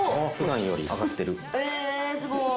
えすごい